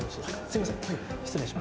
すいません。